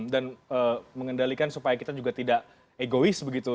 dan mengendalikan supaya kita juga tidak egois begitu